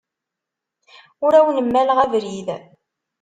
Ur awen-mmaleɣ abrid.